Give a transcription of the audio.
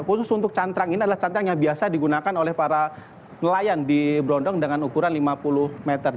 khusus untuk cantrang ini adalah cantrang yang biasa digunakan oleh para nelayan di brondong dengan ukuran lima puluh meter